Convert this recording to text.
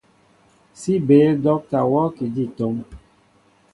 Si béél docta worki di tóm.